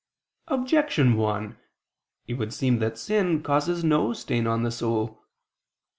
Objection 1: It would seem that sin causes no stain on the soul.